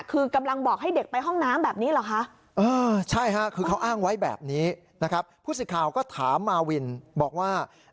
คือกำลังบอกให้เด็กไปห้องน้ำแบบนี้เหรอคะ